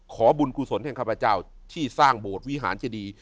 ขอบุญกุศลแห่งข้าพเจ้าที่สร้างโบสถ์วิหารเจดี